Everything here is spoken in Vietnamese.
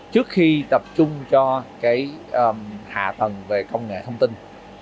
trước khi tập trung cho hạ tầng về công nghệ thông tin